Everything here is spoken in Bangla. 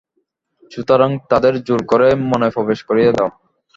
সুতরাং তাদের জোর করে মনে প্রবেশ করিয়ে দাও।